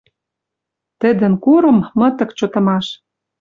Тӹдӹн курым мытык чотымаш.